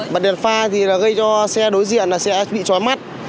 bật đèn pha thì gây cho xe đối diện sẽ bị trói mắt